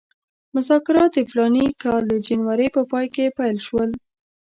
مذاکرات د فلاني کال د جنورۍ په پای کې پیل شول.